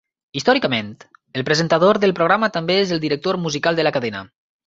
Històricament, el presentador del programa també és el director musical de la cadena.